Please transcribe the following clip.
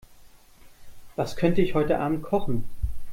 Was könnte ich heute Abend kochen?